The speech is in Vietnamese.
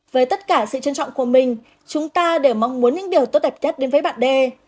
với tất cả sự trân trọng của mình chúng ta đều mong muốn những điều tốt đẹp nhất đến với bạn d